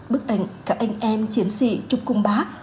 bức ảnh các anh em chiến sĩ chụp cùng bác